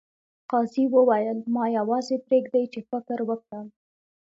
قاضي وویل ما یوازې پریږدئ چې فکر وکړم.